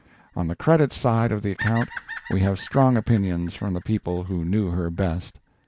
On the credit side of the account we have strong opinions from the people who knew her best.